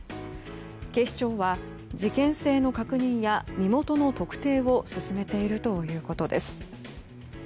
警視庁は事件性の確認や身元の特定を進めているということです。